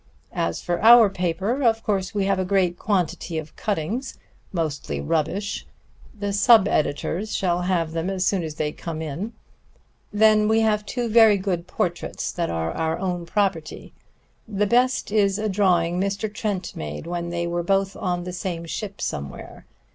As for our paper, of course we have a great quantity of cuttings, mostly rubbish. The sub editors shall have them as soon as they come in. Then we have two very good portraits that are our own property; the best is a drawing Mr. Trent made when they were both on the same ship somewhere.